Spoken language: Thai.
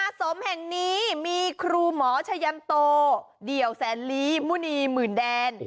สมแห่งนี้มีครูหมอชะยันโตเดี่ยวแสนลีมุณีหมื่นแดน